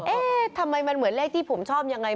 เอ๊ะทำไมมันเหมือนเลขที่ผมชอบยังไง